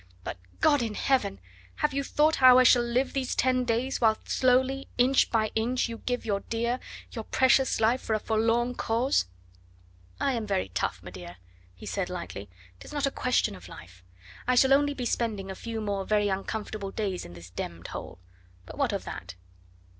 but, God in Heaven! have you thought how I shall live these ten days, whilst slowly, inch by inch, you give your dear, your precious life for a forlorn cause? "I am very tough, m'dear," he said lightly; "'tis not a question of life. I shall only be spending a few more very uncomfortable days in this d d hole; but what of that?"